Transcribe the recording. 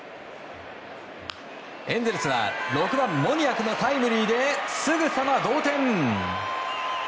エンゼルスは６番、モニアクのタイムリーですぐさま同点。